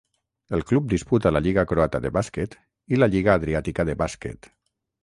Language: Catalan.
El club disputa la lliga croata de bàsquet i la lliga Adriàtica de bàsquet.